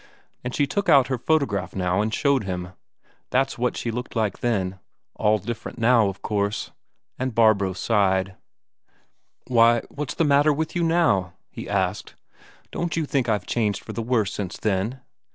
And she took out her photograph now and showed him that's what she looked like then "all different now, of course." And Barbro sighed. "Why, what's the matter with you now?" he asked. "Don't you think I've changed for the worse since then?"